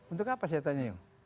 untuk apa saya tanya yuk